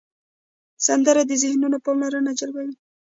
سندره د ذهنونو پاملرنه جلبوي